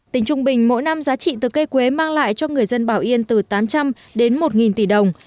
tính trung bình mỗi năm giá trị từ cây quế mang lại cho người dân bảo yên từ tám trăm linh đến một tỷ đồng